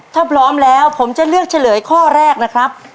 ถ้าพร้อมแล้วผมจะเลือกเฉลยข้อแรกนะครับ